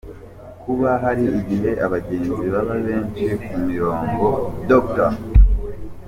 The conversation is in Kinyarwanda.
Kuba hari igihe abagenzi baba benshi ku mirongo, Dr.